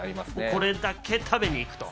これだけ食べに行くと。